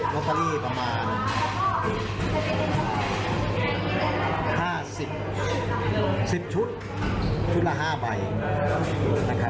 แล้วพอเมื่อกี้เดินมาก็ไม่เจออีก๔ใบ๐๕นะครับ